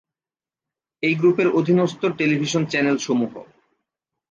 এই গ্রুপের অধীনস্থ টেলিভিশন চ্যানেল সমূহ